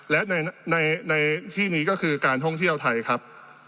และในที่นี้ก็คือการท่องเที่ยวไทยครับ